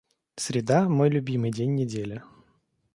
Среда - мой любимый день недели.